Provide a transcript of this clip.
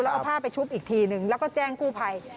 เอาผ้าไปชุบอีกทีนึงแล้วก็แจ้งกู้ภัย